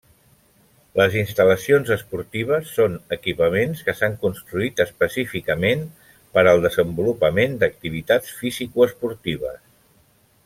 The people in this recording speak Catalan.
Les instal·lacions esportives són equipaments que s'han construït específicament per al desenvolupament d'activitats fisicoesportives.